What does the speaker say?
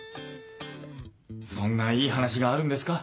そんないい話があるんですか？